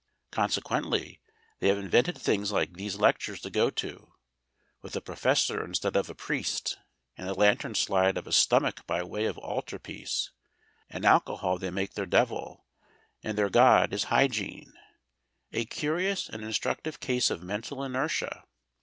Consequently they have invented things like these lectures to go to, with a professor instead of a priest, and a lantern slide of a stomach by way of altar piece; and alcohol they make their Devil, and their god is Hygiene a curious and instructive case of mental inertia.